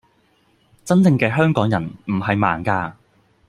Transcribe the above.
真正嘅香港人唔係盲㗎